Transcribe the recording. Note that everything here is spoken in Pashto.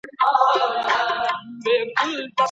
اوس د نقاش لیمه د وچو او زیږو ګاګرو چینو ته تږي